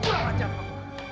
kurang ajar mas